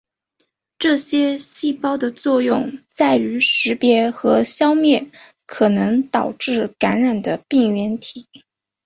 这些细胞的作用在于识别和消灭可能导致感染的病原体。